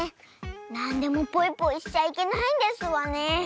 なんでもポイポイしちゃいけないんですわね。